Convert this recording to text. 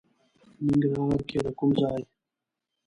ننګرهار کې د کوم ځای؟